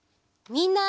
みんな！